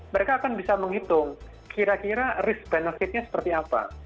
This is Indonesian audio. mereka akan bisa menghitung kira kira risk benefitnya seperti apa